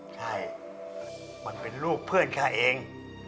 ใช่มันเป็นรูปเพื่อนแค่เอง